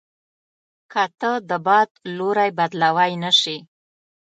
که ته د باد لوری بدلوای نه شې.